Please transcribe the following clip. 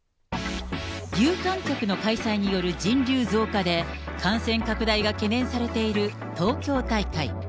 有観客の開催による人流増加で、感染拡大が懸念されている東京大会。